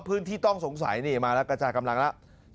พื้นที่ต้องสงสัยนี่มาแล้วกระจายกำลังแล้ว